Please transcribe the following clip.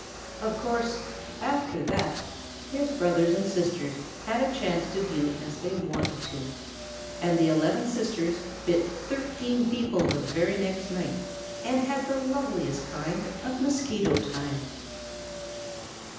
Of course, after that, his brothers and sisters had a chance to do as they wanted to, and the eleven sisters bit thirteen people the very next night and had the loveliest kind of Mosquito time.